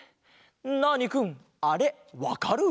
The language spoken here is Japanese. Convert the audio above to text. ナーニくんあれわかる？